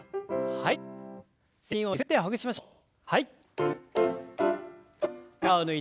はい。